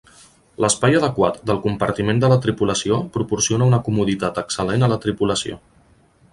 L'espai adequat del compartiment de la tripulació proporciona una comoditat excel·lent a la tripulació.